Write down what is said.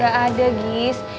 gak ada gif